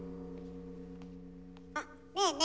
あっねえねえ